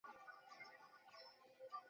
অবশ্যই তুমি এখানে কি করতেছ?